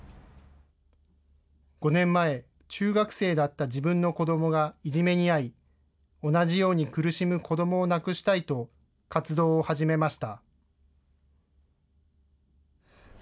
５年前、中学生だった自分の子どもがいじめに遭い、同じように苦しむ子どもをなくしたいと活動を始めました。